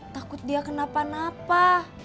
takut dia kenapa napa